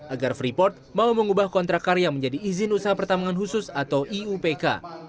agar freeport mau mengubah kontrak karya menjadi izin usaha pertambangan khusus atau iupk